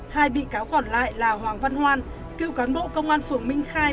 hai bị cáo còn lại là hoàng văn hoan cựu cán bộ công an phường minh khai